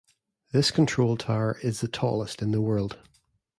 This control tower is the tallest in the world.